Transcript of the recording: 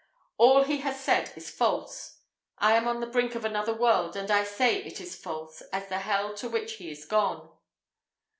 "All he has said is false. I am on the brink of another world, and I say it is false as the hell to which he is gone.